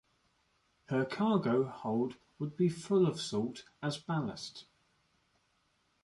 Her cargo hold would be full of salt as ballast.